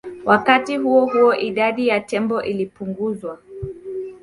Wakati huo huo idadi ya tembo ilipunguzwa